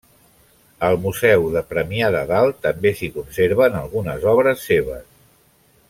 Al Museu de Premià de Dalt també s'hi conserven algunes obres seves.